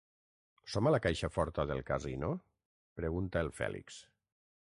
Som a la caixa forta del casino? —pregunta el Fèlix.